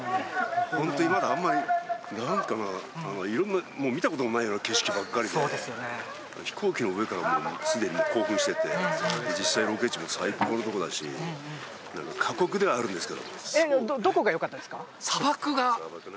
ホントにまだあんまり色んなもう見たことのないような景色ばっかりで飛行機の上からすでに興奮してて実際ロケ地も最高のとこだし過酷ではあるんですけどもどこがよかったですか？